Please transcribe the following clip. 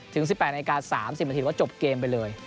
ถึง๑๘นาที๓๐นาทีว่าจบเกมไปเลย